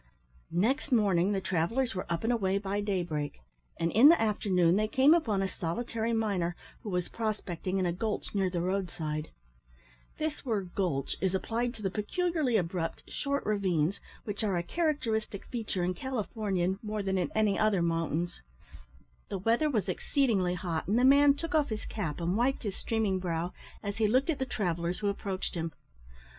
Next morning the travellers were up and away by daybreak, and in the afternoon they came upon a solitary miner who was prospecting in a gulch near the road side. This word gulch is applied to the peculiarly abrupt, short ravines, which are a characteristic feature in Californian more than in any other mountains. The weather was exceedingly hot, and the man took off his cap and wiped his streaming brow as he looked at the travellers who approached him.